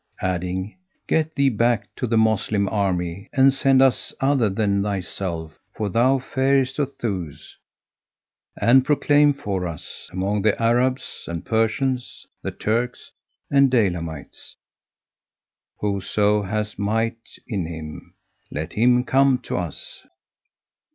adding, "Get thee back to the Moslem army and send us other than thyself, for thou failest of thews; and proclaim for us, among the Arabs and Persians, the Turks and Daylamites,[FN#179] whoso hath might in him, let him come to us."